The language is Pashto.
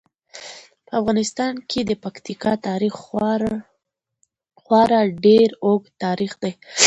په افغانستان کې د پکتیکا تاریخ خورا ډیر اوږد تاریخ دی.